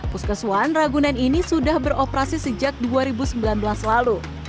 puskeswan ragunan ini sudah beroperasi sejak dua ribu sembilan belas lalu